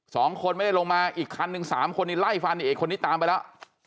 สองคนไม่ได้ลงมาอีกคันหนึ่งสามคนนี้ไล่ฟันอีกเอกคนนี้ตามไปแล้ว